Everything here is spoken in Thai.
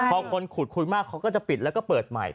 พอคนขุดคุยมากเขาก็จะปิดแล้วก็เปิดใหม่